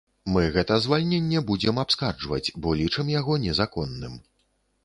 Мы гэта звальненне будзем абскарджваць, бо лічым яго незаконным.